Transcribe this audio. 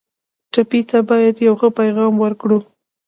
ټپي ته باید یو ښه پیغام ورکړو.